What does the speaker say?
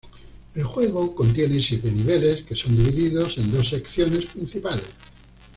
El juego contiene siete niveles que son divididos en dos secciones principales.